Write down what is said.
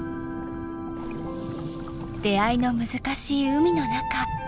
出会いの難しい海の中。